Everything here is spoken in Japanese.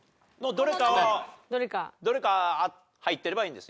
どれか入ってればいいんです。